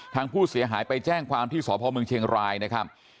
ทางผู้เสียหายไปแจ้งความที่สพเมืองเชียงรายนะครับ